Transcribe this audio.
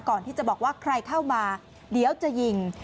ก่อนที่จะบอกว่าใครเข้ามาเดี๋ยวจะยิง